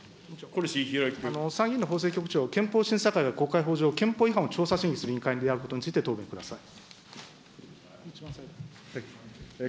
参議院の法制局長、憲法審査会は国会法上、憲法違反を調査する委員会であることについてご答弁ください。